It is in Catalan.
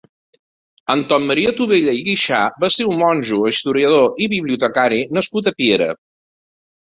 Antoni Maria Tobella i Guixà va ser un monjo, historiador i bibliotecari nascut a Piera.